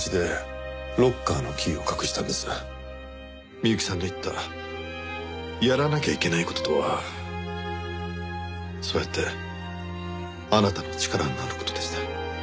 美由紀さんの言ったやらなきゃいけない事とはそうやってあなたの力になる事でした。